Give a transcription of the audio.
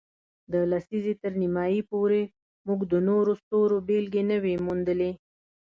د لسیزې تر نیمایي پورې، موږ د نورو ستورو بېلګې نه وې موندلې.